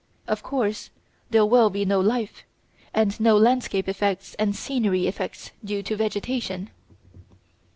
Of course, there will be no life, and no landscape effects and scenery effects due to vegetation.